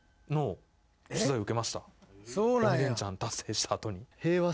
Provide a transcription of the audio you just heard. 鬼レンチャン達成した後に。